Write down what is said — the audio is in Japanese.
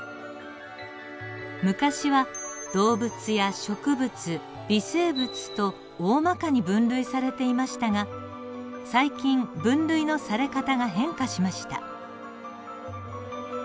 昔は動物や植物微生物とおおまかに分類されていましたが最近分類のされ方が変化しました。